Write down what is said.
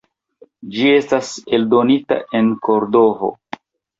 Ĝi estas eldonita en Kordovo.